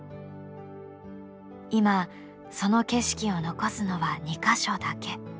今その景色を残すのは２か所だけ。